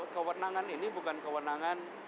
kewenangan ini bukan kewenangan